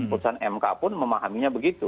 putusan mk pun memahaminya begitu